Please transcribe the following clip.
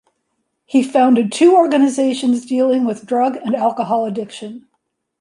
He founded two organizations dealing with drug and alcohol addiction.